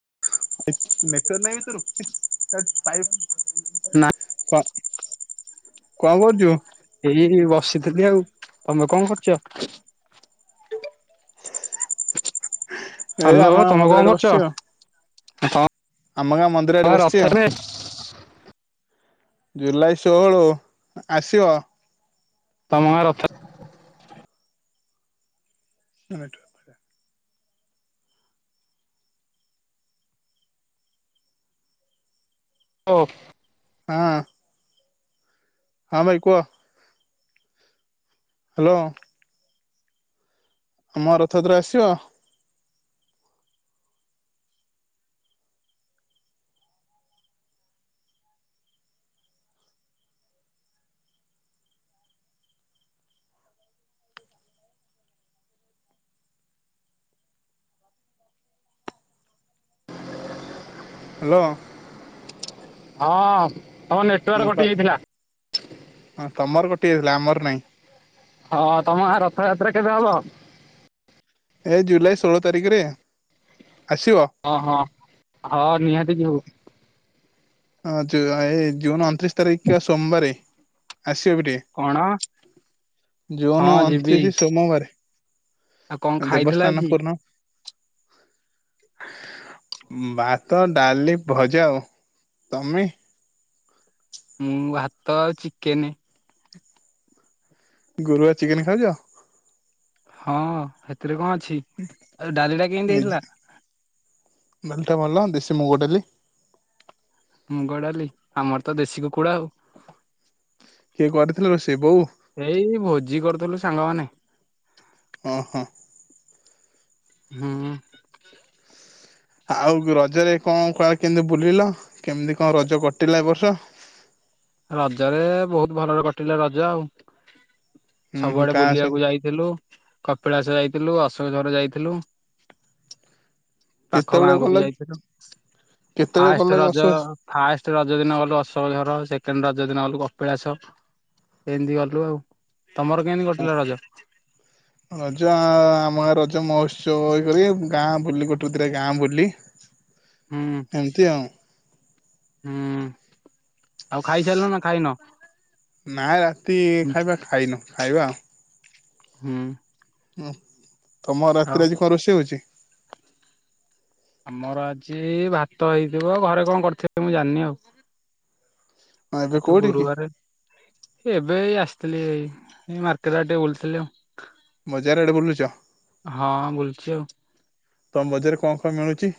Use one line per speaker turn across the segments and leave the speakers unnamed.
Net network ନାହି କି
ନା
ତୋର [unintelligible] କଁ କଁ କରୁଚୁ।
ଏଇ ବସିଥିଲି ଆଉ ତମେ କଁ କରୁଚ।
ଏଇ
ହାଲୋ
ଆମ ଗାଁ
ତମେ
ମନ୍ଦିର
କଁ
ଆଡେ ବସିଛି ଆଉ
କରୁଚ।
ଆମ ଗାଁ ମନ୍ଦିର ଆଡେ ବସିଛି ଆଉ। ଜୁଲାଇ ଷୋହଳୁ ଆସିବ।
ତମ ଗାଁ ରଥ।
ହଁ
ଓ।
ହଁ। ହଁ ଭାଇ କୁଅ। ହାଲୋ। ଆମ ଗାଁ ରଥଯାତ୍ରା କୁ ଆସିବ। ହାଲୋ।
ହଁ ତମ ନେଟୱାର୍କ
ମୁଁ
କଟି ଯାଇଥିଲା।
ହଁ ତମର କଟି ଯାଇଥିଲା ଆମର ନାଇଁ।
ହଁ ତମ ଗାଁ ରଥଯାତ୍ରା କେବେ ହବ।
ଏ ଜୁଲାଇ ଷୋଳ ତାରିଖରେ। ଆସିବ
ଅ ହଁ ହଁ ନିହାତି ଯିବୁ।
ହଁ ଯୁଆ ଏ ଜୁନ୍ ଅଣତିରିଶ ତାରିଖ କିବା ସୋମବାରେ। ଆସିବ ବି
କଣ
ଟିକେ
ହଁ
ଜୁନ
ଯିବି
ଅଣତିରିଶ ସୋମବାରେ।
ଆଉ କଣ ଖାଇଥିଲ
ଦେବସ୍ନଆନ
ଆଜି?
ପୂର୍ଣ୍ଣ ଭାତ ଡାଲି ଭଜା ଆଉ। ତମେ।
ମୁଁ ଭାତ ଆଉ ଚିକେନ।
ଗୁରୁବାରେ ଚିକେନ ଖାଉଚ।
ହଁ ହେଥିରେ କଁ ଅଛି ଆଉ ଯୋଉ ଡାଲି ଟା କେଁତି ହେଇଥିଲା।
ଡଲି ଟା ଭଲ ଦେଶୀ ମୁଗ ଡାଲି।
ମୁଗ ଡାଲି ଆମର ତ ଦେଶୀ କୁକୁଡା ଆଉ।
କରିଥିଲ ସେ ବୋଉ?
ଏଇ ଭୋଜି କରୁଥିଲୁ ସାଙ୍ଗମାନେ।
ଓ ହୋ।
ହଁ।
ଆଉ ରଜରେ କଣ କ କେମତି ବୁଲିଲ କେମିତି କଣ ରଜ କଟିଲା ଏ ବର୍ଷ? [inaudible]
ରଜରେ ବହୁତ ଭଲରେ କଟିଲା ରଜା ଆଉ
ହୁଁ ହୁଁ
ସବୁଆଡେ
କାହା ସହ
ବୁଲିବାକୁ ଯାଇଥିଲୁ କପିଳାସ ଯାଇଥିଲ ଥିଲୁ ଆଶ ଝରେ ଯାଇଥିଲୁ ପାଖ
କେତେବେଳେ
ଗାଁକୁ
ଗଲ
ବି
କି
ଯାଇଥିଲୁ।
କେତେବେଳେ ଗଲ
ଫାଷ୍ଟ
କି ଅସ
ରଜ ଫାଷ୍ଟ ରଜ ଦିନ ଗଲୁ ଅସୋକ ଝର ସେ ରଜ ଦିନ ଗଲୁ କପିଳାସ ଏମିତି ଗଲୁ ଆଉ। ତମର କେମିତି କଟିଲା ରଜ
[inaudible] ରଜ ଆମ ଗାଁ ରଜ ମହୋତ୍ସବ ଇ କରିବେ ଗାଁ ବୁଲି ଗୋଟେ [unintelligible] ଦିଟା ଗାଁ ବୁଲି
ହୁଁ
[inaudible] ଏମିତି ଆଉ।
ହୁଁ ଆଉ ଖାଇସାରିଲ ନା ଖାଇନ?
ନାଇ ରାତି
ହୁଁ
ଖାଇବା ଖାଇନୁ ଖାଇବା ଆଉ।
ହୁଁ।
ହୁଁ ତମ
ଆଉ
ରାତିରେ ଆଜି କଣ ରୋଷେଇ ହଉଛି?
ଛି ଭାତ ହେଇଥିବ। ଘରେ କଣ କରିଥିବେ ମୁଁ ଜାଣିନି ଆଉ।
ହଁ ଏବେ
ଆଜି ତ
କୋଉଠି କି
ଗୁରୁବାର ଏ ଏବେ ହେଇ ଆସି ଥିଲୀ ଏଇ ମାର୍କେଟ ଆଡେ ଟିକେ ବୁଲୁଥିଲି ଆଉ।
ଚାରିଆଡେ ବୁଲୁଛ?
ହଁ ବୁଲୁଛି ଆଉ।
ତମ ବଜାରରେ କଣ, କଣ ମିଳୁଛି?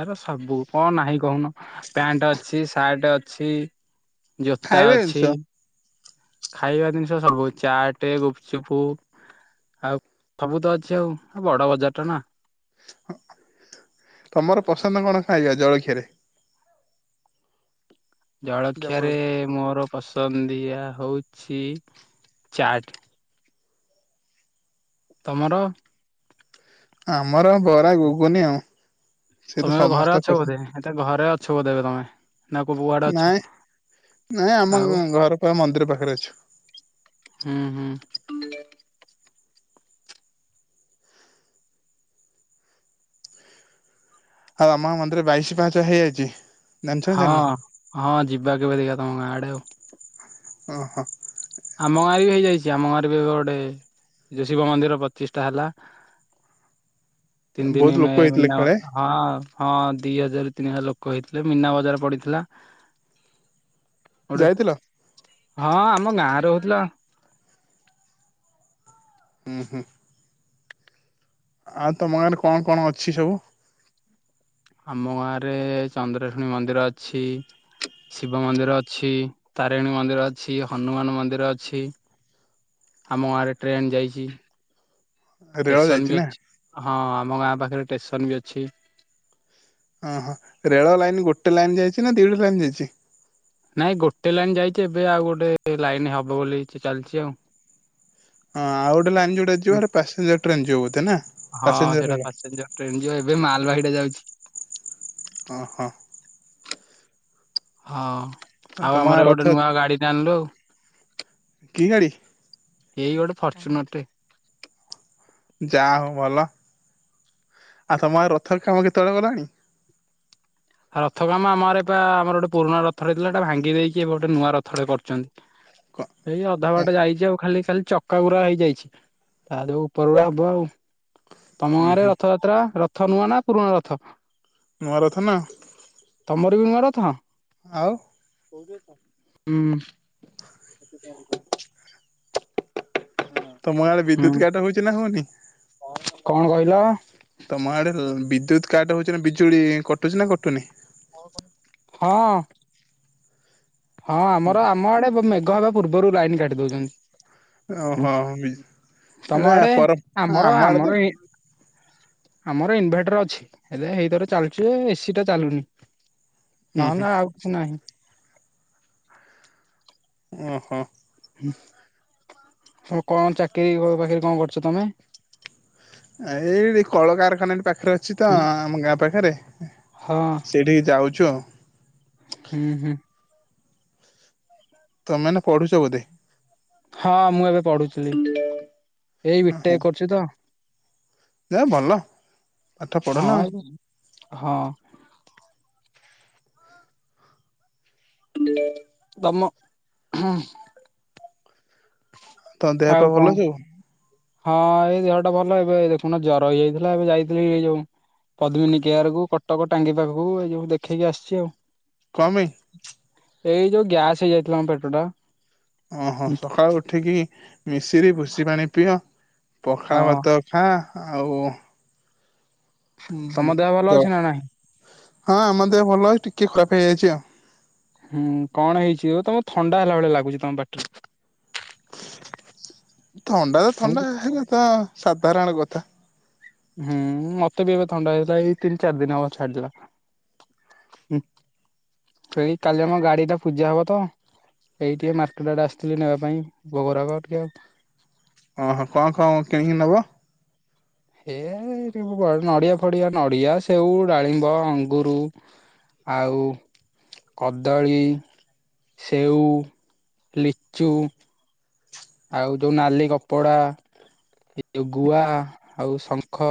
ଆର ସବୁ କଣ ନାହିଁ କହୁନ? ପ୍ୟାଣ୍ଟ ଅଛି, ସାର୍ଟ ଅଛି ଜୋତା
ଖାଇବା ଜିନିଷ
ଅଛି ଖାଇବା ଜିନିଷ ସବୁ ଚାଟ, ଗୁପଚୁପ୍ ଆଉ ସବୁ ତ ଅଛି, ଆଉ ବଡ ବଜାର ଟା ନା!
ତମର ପସନ୍ଦ କଣ ଖାଇବା ଜଳଖିଆରେ?
ଜଳଖିଆ
ଦେବୁଳ
ରେ ମୋର ପସନ୍ଦୀୟା ଟା ହଉଛି ଚାଟ୍। ତମର?
ଆମର ବରା, ଗୁଗୁନି ଆଉ। ସେ ତ
ତମେ ଏବେ ଘରେ
ସମସ୍ତ
ଅଛ ବୋଧେ,
ପସନ୍ଦ
ଏତ ଘରେ ଅଛ ବୋଧେ ଏବେ ତମେ ନା କୋଉ କୁଆଡେ ଅଛ?
ନାଇଁ ନାଇଁ ଆମ
ଆଉ
[unintelligible] ଘର ମନ୍ଦିର ପାଖରେ ଅଛୁ।
ହୁଁ ହୁଁ।
ଆଉ ଆମ ମନ୍ଦିରେ ବାଇଶି ପାହାଚ ହେଇଯାଇଛି। ଜାଣିଛ ନା ଜାଣିନ
ହଁ, ହଁ ଯିବା କେବେ ଦେଖିଆ ତମ ଗାଁ ଆଡେ ଆଉ।
ଓ ହୋ।
ଆଜି ଆମ ଗାଁରେ ବି ଗୋଟେ ଯୋ ଶିବ ମନ୍ଦିର ପ୍ରତିଷ୍ଠା ହେଲା ତିନି ଦିନ
ବହୁତ
ମେ
ଲୋକ ହେଇଥିଲେ
ନା
କାଳେ
ହଁ ହଁ ଦିହଜାର, ତିନିହଜାର ଲୋକ ହେଇଥିଲେ, ମୀନା ବଜାର ପଡିଥିଲା ଗୋଟେ
ଯାଇଥିଲ
ହଁ ଆମ ଗାଁରେ ହଉଥିଲା।
ଊ ହୁଁ। ଆଉ ତମ ଗାଁରେ କଣ, କଣ ଅଛି ସବୁ?
ଆମ ଗାଁରେ ଚନ୍ଦ୍ରଶଣୀ ମନ୍ଦିର ଅଛି ଶିବ ମନ୍ଦିର ଅଛି, ତାରିଣୀ ମନ୍ଦିର ଅଛି, ହନୁମାନ ମନ୍ଦିର ଅଛି ଆମ ଗାଁରେ ଟ୍ରେନ ଯାଇଛି
ରେଳ
ଷ୍ଟେସନ
ଯାଇଛି
ବି
ନା
ଅଛି, ହଁ ଆମ ଗାଁ ପାଖରେ ଷ୍ଟେସନ ବି ଅଛି।
ଓ ହୋ ରେଳ ଲାଇନ ଗୋଟେ ଲାଇନ ଯାଇଛି ନା ଦିଟା ଲାଇନ ଯାଇଛି?
ନାଇଁ ଗୋଟେ ଲାଇନ୍ ଯାଇଛି ଏବେ ଆଉ ଗୋଟେ ଲାଇନ୍ ହବ ବୋଲି ଚାଲିଛି ଆଉ
ହଁ ଆଉ ଗୋଟେ ଲାଇନ୍ ଯୋଉଟା ଯିବ ସେଟା ପାସେଞ୍ଜର ଟ୍ରେନ୍ ଯିବ ବୋଧେ ନା?
ହଁ
ପାସେଞ୍ଜର
ସେଇଟା
ରେଳ
ପାସେଞ୍ଜର ଟ୍ରେନ ଯିବ ଏବେ ମାଲବାହିଟା ଯାଉଛି।
ଓ ହୋ [unintelligible]
ହଁ ଆଉ
ତମ ଗାଁ
ଆମର
ରଥ
ଗୋଟେ ନୂଆ ଗାଡିଟେ ଆଣିଲୁ ଆଉ।
କି ଗାଡି?
ଏଇ ଗୋଟେ ଫର୍ଚ୍ୟୁନର ଟେ। [unintelligible]
ଯା, ହଉ ଭଲ। ଆଉ ତମ ଗାଁ ରଥରେ କାମ କେତେବେଳେ ଗଲାଣି?
ରଥ କାମ ଆମର ଏବେ ଆମର ଗୋଟେ ପୁରୁଣା ରଥଟେ ଥିଲା, ଏଟା ଭାଙ୍ଗି ଦେଇକି, ଏବେ ଗୋଟେ ନୂଆ ରଥଟେ କରୁଛନ୍ତି।
କ
ଏଇ ଅଧା
ଉଁ
ବାଟେ ଯାଇଛି ଆଉ ଖାଲି, ଖାଲି ଚକା ଗୁରା ହେଇଯାଇଛି, ତା ଦେ ଉପରକୁ ହବ ଆଉ ତମ ଗାଁରେ
ହୁଁ
ରଥଯାତ୍ରା ରଥ ନୁଆ ନା ପୁରୁଣା ରଥ।
ନୂଆ ରଥ ନା
ତମର ବି ନୂଆ ରଥ!
ଆଉ
ହୁଁ।
ତମ ଆଡେ
ହୁଁ
ବିଦ୍ୟୁତ କାଟ ହଉଛି ନା ହଉନି?
କଣ କହିଲ?
ତମ ଆଡେ ବିଦ୍ୟୁତ କାଟ ହଉଚି ନା ବିଜୁଳି କଟୁଛି ନା କଟୁନି?
ହଁ ହଁ
ହୁଁ।
ଆମର, ଆମ ଆଡେ, ମେଘ ହେବା ପୂର୍ବରୁ ଲାଇନ କାଟି ଦଉଛନ୍ତି। ହୁଁ
ଓହୋ
ତମ
ଏଟା
ଆଡେ
ପର
ଆମର,
ଆମ ଆଡେ ତ
ଆମର ଏଇ ଆମର ଇନଭଟର ଅଛି, ହେଲେ ଏଇଥରେ ଚାଲୁଛି, ଏସି ଟା ଚାଲୁନି।
ହୁଁ
ନହ
ହୁଁ
ନା ଆଉ କିଛି ନାହିଁ।
ଓହୋ।
ହୁଁ। ହ କଣ ଚାକିରୀ ବାକିରି କଣ କରୁଛ ତମେ?
କଳକାରଖାନାଟି ପାଖରେ ଅଛି ତ
ହୁଁ।
ଆମ ଗାଁ ପାଖରେ
ହଁ
ସେଠିକି ଯାଉଛି। ଚଅ। [unintelligible]
ହୁଁ ହୁଁ।
ତମେ ଏଇନା ପଢୁଛ ବୋଧେ
ହଁ ମୁଁ ଏବେ ପଢୁଥିଲି, ଏଇ
ଓହୋ
ବିଟେକ୍ କରୁଛି ତ
ଯା ଭଲ, ପାଠ ପଢନା?
ହଁ ଏବେ- ହଁ ତମ, ହଁ
ତ ଦେହ ପା
କଣ
ଭଲ ଅଛି?
ହଁ ଏଇ ଦେହଟା ଭଲ ଏବେ ଦେଖୁନା ଜର ହେଇଯାଇଥିଲା, ଏବେ ଯାଇଥିଲି ଏଇ ଯୋଉ ପଦ୍ମିନୀ କେୟର କୁ କଟକ ଟାଙ୍ଗି ପାଖକୁ, ଏଇ ଯଉ ଦେଖେଇକି ଆସିଛି ଆଉ
କ ପାଇଁ?
ଏଇ ଯୋଉ ଗ୍ୟାସ ହେଇଯାଇଥିଲା ମ, ପେଟ ଟା।
ଓହୋ, ସକାଳୁ ଉଠିକି ମିଶରିି ଭୁସି ପାଣି ପିଅ।
ହଁ
ପଖାଳ ଭାତ ଖାଁ, ଆଉ
ତମ ଦେହ ଭଲ
ହଁ,
ଅଛି ନା ନାହିଁ?
ଆମ ଦେହ ଭଲ ଅଛି, ଟିକେ ଖରାପ ହେଇଯାଇଛି ଆଉ
ହୁଁ, କଣ ହେଇଛି? ଆ ତମକୁ ଥଣ୍ଡା ହେଲା ଭଳିଆ ଲାଗୁଛି ତମ ପାଟିରେ
ଥଣ୍ଡା ତ
ତମକୁ
ଥଣ୍ଡା, ହେଇଟା ତ ସାଧାରଣ କଥା।
ହୁଁ, ମତେ ବି ଏବେ ଥଣ୍ଡା ହେଇଥିଲା, ଏଇ ତିନି ଚାରି ଦିନ ହବ ଛାଡିିଲା। ସେଇ କାଲି ଆମର ଗାଡି ଟା ପୂଜା ହବ ତ? ଏଇ ଟିକେ ମାର୍କେଟ ଆଡେ ଆସିଥିଲି ନେବା ପାଇଁ, ଭୋଗରାଗ ଆ ଟିକେ ଆଉ
ଓହୋ, କଣ କଣ କିଣିକି ନବ?
ହେ ନଡିଆ ଫଡିଆ, ନଡିଆ, ସେଉ, ଡାଳିମ୍ବ, ଅଙ୍ଗୁରୁ ଆଉ। କଦଳୀ ସେଉ ଲିଚୁ। ଆଉ ଯୋଉ ନାଲି କପଡା। ଏଉ ଗୁଆ ଆଉ ଶଙ୍ଖ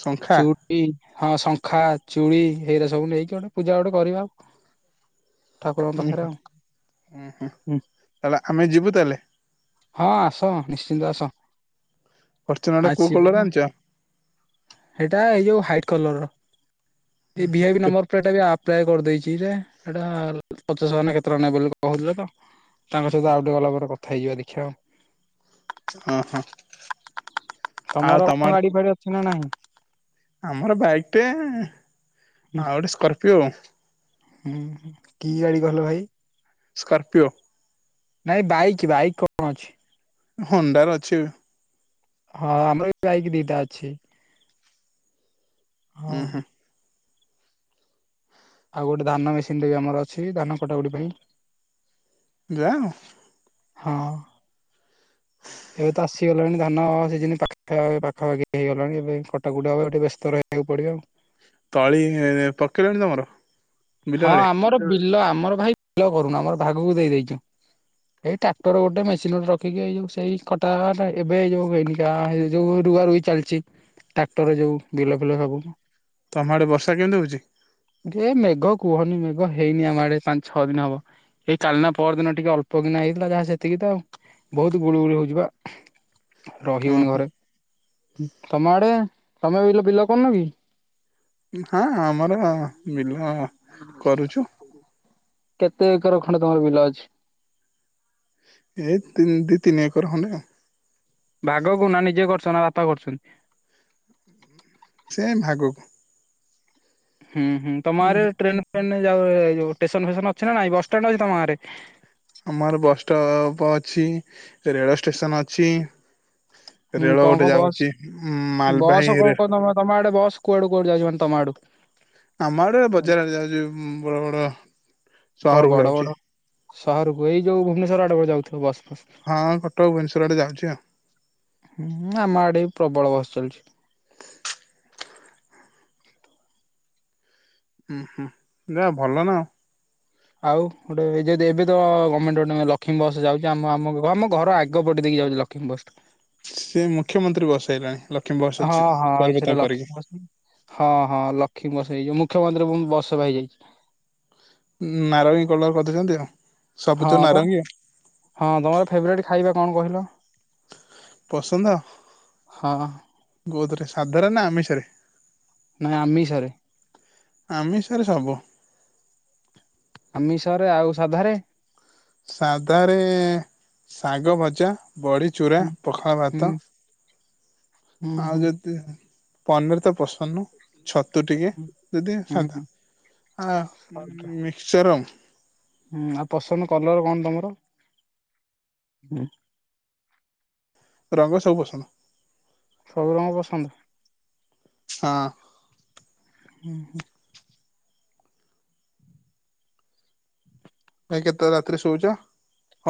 ଶଙ୍ଖା
ଚୁଡ଼ି। ହଁ ଶଙ୍ଖା ଚୁଡି ଏଇରା ସବୁ ନେଇକି ଗୋଟେ ପୂଜା ଗୋଟେ କରିବା। ଠାକୁରଙ୍କ
ଉଁ
ପାଖରେ
ହୁଁ
ଆଉ
ହୁଁ ହୁଁ ତାହେଲେ ଆମେ ଯିବୁ ତାହେଲେ।
ହଁ ଆସ ନିଶ୍ଚିନ୍ତ ଆସ।
ଫର୍ଚୁନର ଟା କୋଉ
ଆସିବ
କଲର ଆଣିଛ?
ସେଇଟା ଏଇ ଯୋଉ ହ୍ୱାଇଟ୍ କଲର ର ଏଇ ଭି ଆଇ ପି
କେତ
ନମ୍ବର ପ୍ଲେଟ ଟା ବି ଆ ପ୍ଳାଏ କରିଦେଇଛି ରେ ଏଟା ପଚାଶ ହଜାର ନା କେତେ ଟଙ୍କା ନେବେ ବୋଲି କହୁଥିଲେ ତ। ତାଙ୍କ ସହିତ ଆଉ ଟିକେ ଭଲ ଭାବରେ କଥା ହେଇଯିବା ଦେଖିବା ଆଉ।
ଓହୋ
ତମର କଣ ଗାଡି ଫାଡି ଅଛି ନା ନାହିଁ?
ଆମର ବାଇକ୍ ଟେ ଆଉ ଗୋଟେ ସ୍କର୍ପିଓ।
ହୁଁ କି ଗାଡ଼ି କହିଲ ଭାଇ?
ସ୍କର୍ପିଓ।
ନାଇଁ ବାଇକ୍ ବାଇକ୍ କଣ ଅଛି?
ହୋଣ୍ଡାର ଅଛି।
ହଁ ଆମର ବି ବାଇକ୍ ଦିଟା ଅଛି। ହଁ
ହୁଁ ହୁଁ।
ଆଉ ଗୋଟେ ଧାନ ମେସିନ୍ ଟେ ବି ଆମର ଅଛି ଧାନ କଟାକାଟି ପାଇଁ।
ଯାଉଁ।
ହଁ। ଏବେ ତ ଆସିଗଲାଣି ଧାନ ସିଜିନ୍ ପାଖା ପାଖାପାଖି ହେଇଗଲାଣି ଏବେ କଟାକୁଟି ହବ ଏବେ ଟିକେ ବ୍ୟସ୍ତ ରହି ବାକୁ ପଡିବ ଆଉ।
ତଳି ପକେଇଲଣି ତମର। ବିଲ
ହଁ
ଆଡେ
ଆମର ବିଲ ଆମର ଭାଇ ବିଲ କରୁନୁ ଆମର ଭାଗକୁ ଦେଇ ଦେଇଛୁ। ଏଇ ଟ୍ରାକ୍ଟର ଗୋଟେ ମେସିନ୍ ଗୋଟେ ରଖିକି ଏଇ ଯୋଉ ସେଇ କଟା କଟା ଏବେ ଏ ଯୋଉ ହେଇନି କା ହେଇ ଯୋଉ ରୁଆ ରୁଈ ଚାଲିଛି ଟ୍ରାକ୍ଟରରେ ଯୋଉ ବିଲ ଫିଲ ସବୁ।
ତମ ଆଡେ ବର୍ଷା କେମିତି ହଉଛି?
ଯେ ମେଘ କୁହନି ମେଘ ହେଇନି ଆମ ଆଡେ ପାଞ୍ଚ ଛଅ ଦିନ ହବ ଏଇ କାଲିନା ପହରଦିନ ଟିକେ ଅଲ୍ପ କିନା ହେଇଥିଲା ଯାହା ସେତିକି ଆଉ ବହୁତତୁ ଗୁଳୁଗୁଳି ହଉଛିି ପା। ରହିିହଉନି
ଉଁ
ଘରେ ତମ ଆଡେ ତମେ ବିଲ ଫିଲ କରୁନ କି?
ହଁ ଆମର ବିଲ।
ଆଜ୍ଞା ନମ
କରୁଛୁ
ନମସ୍କାର ଆ କେତେ ଏକର ଖଣ୍ଡ ତମର ବିଲ ଅଛି?
ଏଇ ତିନ ଦି ତିନି ଏକର ଖଣ୍ଡେ।
ଭାଗ କୁ ନା ନିଜେ କରୁଛ ନା ବାପା କରୁଛନ୍ତି?
ସେଇ ଭାଗକୁ।
ହୁଁ ହୁଁ ତମ ଆରେ ଆଡ଼େ ଟ୍ରେନ ଫ୍ରେନ ଯାଉ ଏ ଯୋଉ ଟେସନ ଫେସନ ଅଛି ନା ନାଇଁ ବସ୍ ଷ୍ଟାଣ୍ଡ ଅଛି ତମ ଗାଁ ରେ?
ଆମର ବସ୍ ଷ୍ଟପ୍ ଅଛି ରେଳ ଷ୍ଟେସନ ଅଛି।
ହୁଁ
ରେଳ
କଣ
ଗୋଟେ
କଣ ବସ୍
ଯାଉଛି ମାଲବାହୀ
ବସ କଣ କଣ ତମ ତମ ଆଡେ? ବସ୍ କୁଆଡୁ କୁଆଡୁ ଯାଉଛି ମାନେ ତମ ଆଡୁ?
ଆମ ଆଡେ ବଜାରରେ ଯାଉଛି ଉଁ ବଡ ବଡ
କଣ
ସହରକୁ
ବଡ ବଡ
ଯାଉଛି।
ସହରକୁ ଏଇ ଯୋଉ ଭୁବନେଶ୍ୱର ଆଡକୁ ଯାଉଥିବ ବସ୍।
ହଁ କଟକ ଭୁବନେଶ୍ୱର ଆଡେ ଯାଉଛି ଆଉ
ହୁଁ ଆମ ଆଡେ ପ୍ରବଳ ବସ୍ ଚାଲିଛି।
ଉଁ ହୁଁ ଯାହା ଭଲ ନା ଆଉ।
ଆଉ ଗୋଟେ ଏ ଯଦି ଏବେ ତ ଗମେଣ୍ଟ ଗୋଟେ ଲକ୍ଷ୍ମୀ ବସ୍ ଯାଉଛି ଆମ ଆମ ଆମ ଘର ଆଗ ପଟେ ଦେଇ ଯାଉଛି ଲକ୍ଷ୍ମୀ ବସ ଟା।
ସେ ମୁଖ୍ୟମନ୍ତ୍ରୀ ବସେଇଲାଣି ଲ
ହଁ ହଁ ସେଟା ଲକ୍ଷ୍ମୀ ବସ୍ ହଁ ହଁ ଲ ଲକ୍ଷ୍ମୀ ବସ୍ ହେଇଯିବ ମୁଖ୍ୟମନ୍ତ୍ରୀ ଫୁଣି ବସ୍ ସେବା ହେଇଯାଇଛି।
ନାରଙ୍ଗୀ କଲର କରି ଦେଇଛନ୍ତି ଆଉ।
ହଁ
ସବୁଜ
ବା
ନାରଙ୍ଗୀ ଆଉ
ହଁ ତମର ଫେବ୍ରେଟ୍ ଖାଇବା କଣ କହିଲ?
ପସନ୍ଦ
ହଁ
କୋଥରେ ସାଧାରେ ନା ଆମିଷରେ?
ନାଇଁ ଆମିଷରେ
ଆମିଷରେ ସବୁ।
ଆମିଷରେ ଆଉ ସାଧାରେ?
ସାଧାରେ ଶାଗ ଭଜା। ବଡ଼ିଚୁରା
ହୁଁ
ପଖାଳ ଭାତ
ହୁଁ ହୁଁ ହୁଁ।
ଆଉ ଯଦି ପନିର ତ ପ୍ରସନ୍ ନୁ ଛତୁ ଟିକେ ଯଦି
ହୁଁ
ସାଧା।
ହୁଁ
ହଁ
ହୁଁ।
ମିକ୍ଚର।
ହୁଁ ଆଉ ପସନ୍ଦ କଲର କଣ ତମର ହଁ?
ରଙ୍ଗ ସବୁ ପସନ୍ଦ।
ସବୁ ରଙ୍ଗ ପସନ୍ଦ।
ଆଁ।
ହୁଁ ହୁଁ।
ଭାଇ କେତେଳେ ରାତିରେ ଶୋଉଚ?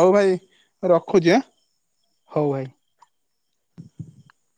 ହଉ ଭାଇ ରଖୁଛି ଆଁ।
ହଉ ଭାଇ।
[unintelligible]